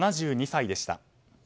７２歳でした。